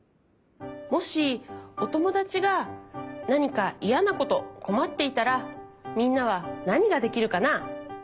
もしおともだちがなにかイヤなことこまっていたらみんなはなにができるかな？